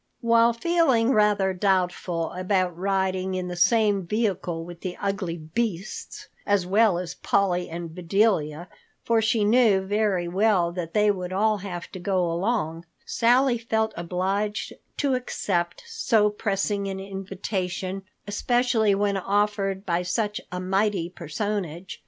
While feeling rather doubtful about riding in the same vehicle with the ugly beasts as well as Polly and Bedelia—for she knew very well that they would all have to go along—Sally felt obliged to accept so pressing an invitation, especially when offered by such a mighty personage.